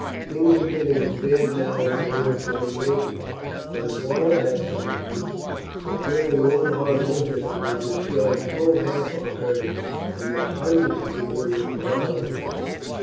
Things are getting as bad now as they were twenty years ago. My father has told me that during one hard winter they destroyed full half our herds, and that hundreds of people were devoured by them.